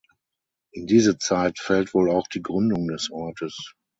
In diese Zeit fällt wohl auch die Gründung des Ortes.